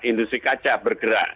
industri kaca bergerak